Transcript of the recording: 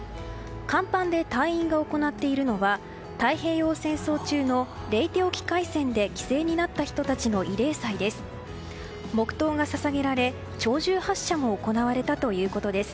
甲板で隊員が行っているのは太平洋戦争中のレイテ沖海戦で犠牲になった人たちの慰霊祭です。